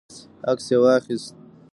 عکس یې واخیست.